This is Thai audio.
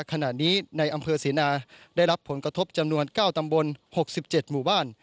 ขณะนี้ในอำเภอเสนาได้รับผลกระทบจำนวน๙ตำบล๖๗หมู่บ้าน